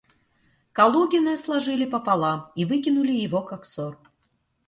Калугина сложили пополам и выкинули его как сор.